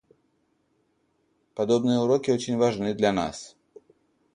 Подобные уроки очень важны для нас.